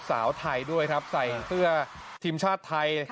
สาวไทยด้วยครับใส่เสื้อทีมชาติไทย